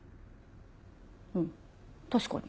うん確かに。